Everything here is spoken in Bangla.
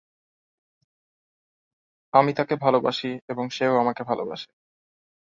আমি তাকে ভালোবাসি এবং সেও আমাকে ভালবাসে।